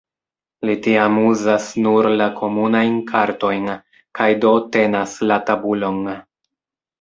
Li tiam uzas nur la komunajn kartojn, kaj do "tenas la tabulon".